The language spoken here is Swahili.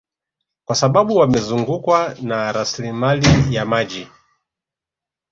Kwa sababu wamezungukwa na rasilimali ya maji